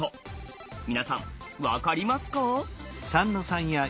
皆さん分かりますか？